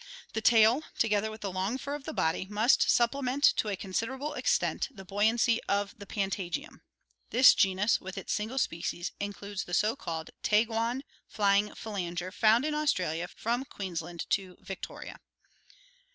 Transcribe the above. The tail, together with the long fur of the body, must supplement to a considerable extent the buoyancy of the patagium. This genus, with its single species, includes the so called Taguan flying phalanger found in Australia from Queensland to Victoria.